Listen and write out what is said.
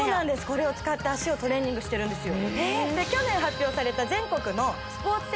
これを使って脚をトレーニングしてるんですよ